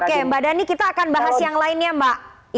oke mbak dhani kita akan bahas yang lainnya mbak